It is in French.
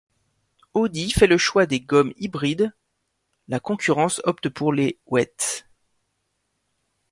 Audi fait le choix des gommes hybrides, la concurrence opte pour les ‘wet’.